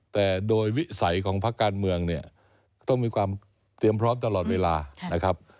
แต่โดยวิสัยของพักการเมืองเนี่ยต้องมีความเตรียมพร้อมตลอดเวลานะครับ